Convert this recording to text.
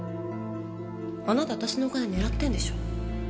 あなた私のお金狙ってんでしょ？